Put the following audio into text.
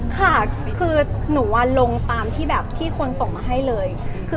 ค่ะคือหนูว่าลงตามที่คนส่งมาให้เลย